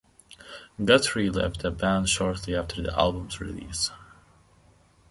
Guthrie left the band shortly after the album's release.